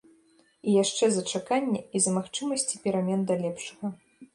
І яшчэ за чаканне і за магчымасці перамен да лепшага.